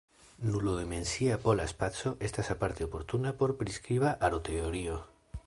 Nulo-dimensia pola spaco estas aparte oportuna por priskriba aroteorio.